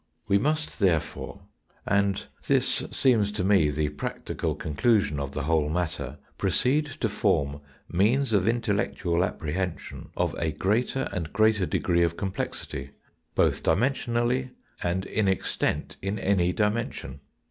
We must therefore, and this seems to me the practical conclusion of the whole matter, proceed to form means of intellectual apprehension of a greater and greater degree of complexity, both dimensionally and in extent in any dimension.